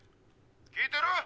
聞いてる？